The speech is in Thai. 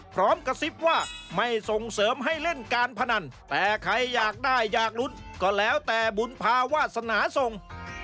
พร้อมกระซิบว่าไม่ส่งเสริมให้เล่นการพนันแต่ใครอยากได้อยากลุ้นก็แล้วแต่บุญภาวาสนาส่ง